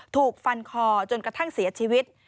ถูกฟันคอจนกระทั่งเสียชีวิต